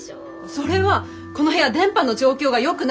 それはこの部屋電波の状況がよくなくて。